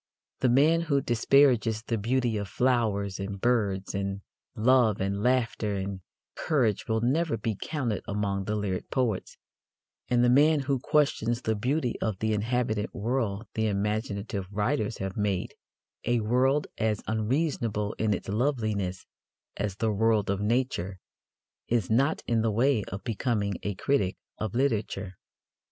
The man who disparages the beauty of flowers and birds and love and laughter and courage will never be counted among the lyric poets; and the man who questions the beauty of the inhabited world the imaginative writers have made a world as unreasonable in its loveliness as the world of nature is not in the way of becoming a critic of literature.